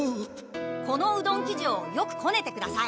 このうどん生地をよくこねてください。